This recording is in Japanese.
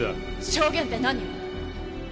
証言って何を。